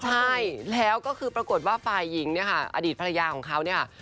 ใช่แล้วก็คือปรากฏว่าฝ่ายหญิงเนี่ยค่ะอดีตภรรยาของเขาเนี่ย